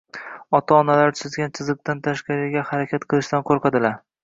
ota-onalari chizgan chiziqdan tashqarida harakat qilishdan qo‘rqadilar.